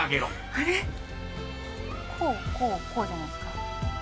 こうこうこうじゃないですか？